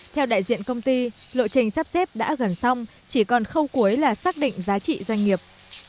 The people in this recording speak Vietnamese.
theo đại diện công ty lộ trình sắp xếp đã gần xong chỉ còn khâu cuối là xác định giá trị doanh nghiệp